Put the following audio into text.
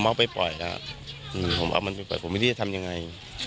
เอาไปปล่อยแล้วผมเอามันไปปล่อยผมไม่รู้จะทำยังไง